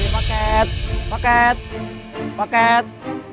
paket paket paket